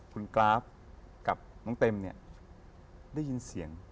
คุณกราฟกับน้องเต็มเนี่ยได้ยินเสียง